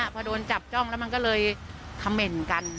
พอโดนจับจ้องแล้วมันก็เลยคำเมนต์กัน